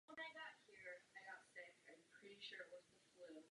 Podobnost matic je relace ekvivalence.